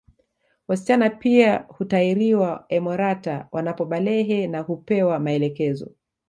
Wasichana pia hutahiriwa emorata wanapobalehe na hupewa maelekezo